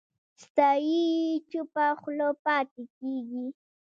ستایي یې چوپه خوله پاتې کېږي